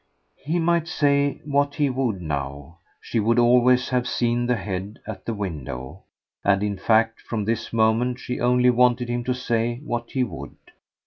He might say what he would now she would always have seen the head at the window; and in fact from this moment she only wanted him to say what he would.